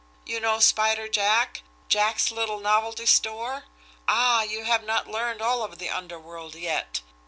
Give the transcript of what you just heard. "You know Spider Jack! Jack's little novelty store! Ah, you have not learned all of the underworld yet!